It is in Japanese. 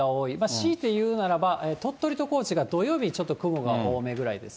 しいて言うならば、鳥取と高知が土曜日にちょっと雲が多めぐらいです。